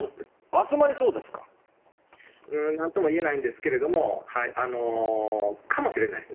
うーん、なんともいえないんですけれども、かもしれないです。